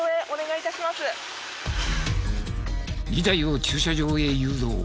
２台を駐車場へ誘導。